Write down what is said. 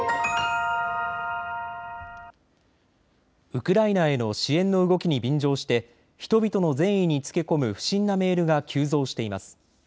ウクライナへの支援の動きに便乗して人々の善意につけ込む不審なメールが急増しています。